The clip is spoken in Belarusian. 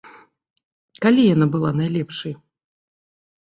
Калі яна была найлепшай?